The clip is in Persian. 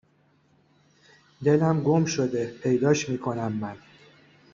دلم گمشده پیداش میکنم من